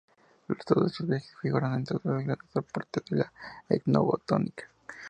Los resultados de estos viajes figuran dentro de los grandes aportes a la etnobotánica.